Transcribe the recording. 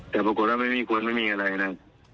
แต่ปรากฏว่าไม่มีคนไม่มีอะไรนะ